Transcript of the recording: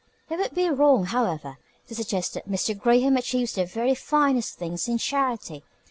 It would be wrong, however, to suggest that Mr. Graham achieves the very finest things in charity.